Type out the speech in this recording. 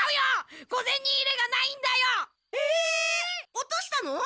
落としたの？